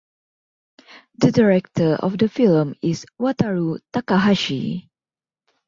The director of the film is Wataru Takahashi.